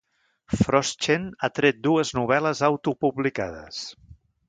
Forstchen ha tret dues novel·les autopublicades.